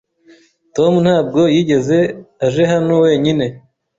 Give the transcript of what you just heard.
Tom ntabwo yigeze aje hano wenyine.